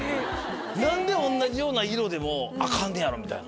何で同じような色でもアカンねやろ？みたいな。